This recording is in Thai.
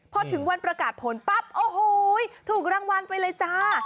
พอถึงวันประกาศผลปั๊บโอ้โหถูกรางวัลไปเลยจ้า